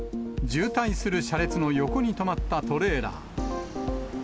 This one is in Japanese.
渋滞する車列の横に止まったトレーラー。